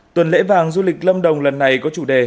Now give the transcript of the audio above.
tuần lễ vàng du lịch lâm đồng lần này có chủ đề